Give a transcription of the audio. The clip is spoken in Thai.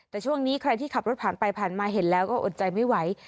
แต่ช่วงนี้ใครที่ขับรถผ่านไปผ่านมาเห็นแล้วก็อดใจไม่ไหว